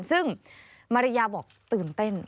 ซึ่งมาริยาบอกตื่นเต้น